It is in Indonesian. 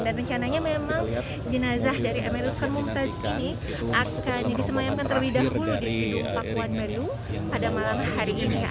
dan rencananya memang jenazah dari emeril karmuntas ini akan disemayamkan terlebih dahulu di gedung pakuan bandung pada malam hari ini